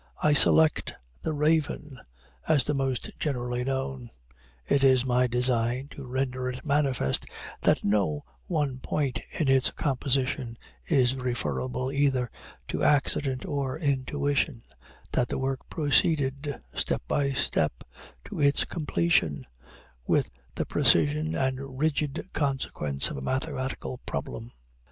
I select "The Raven," as the most generally known. It is my design to render it manifest that no one point in its composition is referable either to accident or intuition that the work proceeded, step by step, to its completion with the precision and rigid consequence of a mathematical problem.